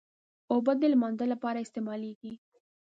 اوبه د لمانځه لپاره استعمالېږي.